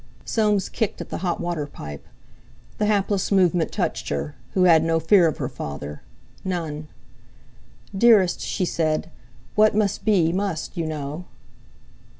Soames kicked at the hot water pipe. The hapless movement touched her, who had no fear of her father—none. "Dearest!" she said. "What must be, must, you know."